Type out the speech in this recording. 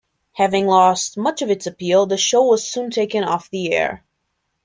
Having lost much of its appeal, the show was soon taken off the air.